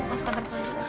masuk kantor polis